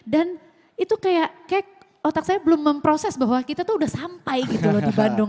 dan itu kayak otak saya belum memproses bahwa kita tuh sudah sampai gitu loh di bandung